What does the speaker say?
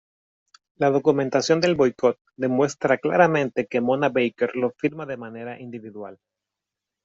La documentación del boicot demuestra claramente que Mona Baker lo firma de manera individual.